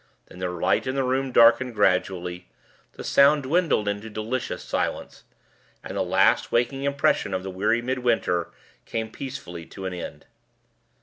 Then the light in the room darkened gradually, the sound dwindled into delicious silence, and the last waking impressions of the weary Midwinter came peacefully to an end.